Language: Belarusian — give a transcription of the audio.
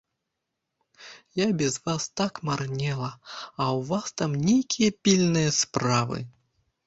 Я без вас так марнела, а ў вас там нейкія пільныя справы.